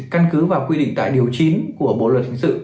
căn cứ vào quy định tại điều chín của bộ luật hình sự